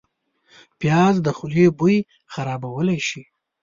پیاز د خولې بوی خرابولی شي